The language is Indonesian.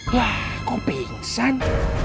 wah kok pingsan